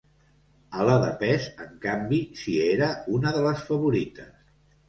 A la de pes, en canvi, si era una de les favorites.